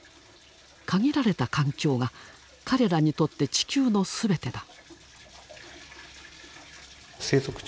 限られた環境が彼らにとって地球の全てだ。